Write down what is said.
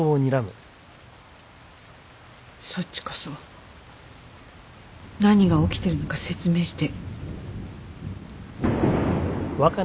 そっちこそ何が起きてるのか説明して。